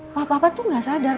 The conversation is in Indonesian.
pak papa tuh gak sadar